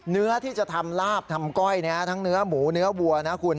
เนื้อที่จะทำลาบทำก้อยทั้งเนื้อหมูเนื้อวัวนะคุณ